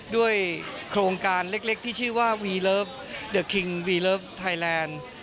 โครงการเล็กที่ชื่อว่าวีเลิฟเดอร์คิงวีเลิฟไทยแลนด์